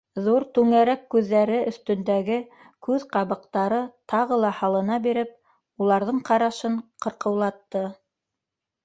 Ҙур түңәрәк күҙҙәре өҫтөндәге күҙ ҡабаҡтары тағы ла һалына биреп, уларҙың ҡарашын ҡырҡыулатты: